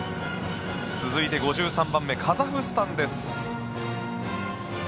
続いて５３番目カザフスタンです。